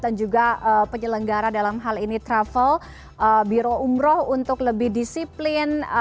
dan juga penyelenggara dalam hal ini travel biro umroh untuk lebih disiplin